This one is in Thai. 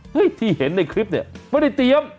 ที่เห็นในคลิปเนี่ยไม่ได้เตรียม